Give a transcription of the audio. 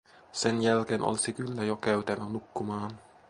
Sen jälkeen olisi kyllä jo käytävä nukkumaan.